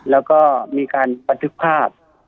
และมีการประทึกภาพ